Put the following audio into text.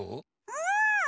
うん！